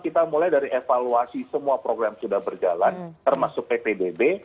kita mulai dari evaluasi semua program sudah berjalan termasuk ppdb